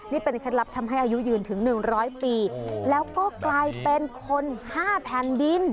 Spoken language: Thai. นี่เป็นเคล็ดลับทำให้อายุยืนถึง๑๐๐ปีแล้วก็กลายเป็นคน๕แผ่นดิน